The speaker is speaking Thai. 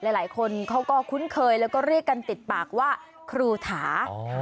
หลายคนเขาก็คุ้นเคยแล้วก็เรียกกันติดปากว่าครูถา